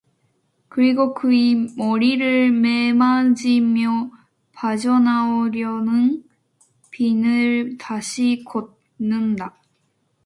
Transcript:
그리고 그의 머리를 매만지며 빠져나오려는 핀을 다시 꽂는다.